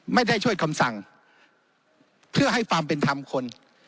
ไม่ได้ช่วยคำสั่งเพื่อให้ความเป็นธรรมคน